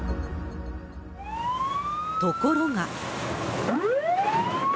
ところが。